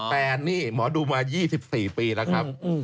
แต่นี่หมอดูมา๒๔ปีแล้วครับ